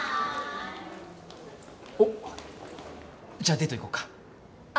おっじゃあデート行こうかあ